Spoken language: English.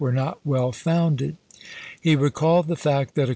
were not well founded. He recalled the fact that a chap.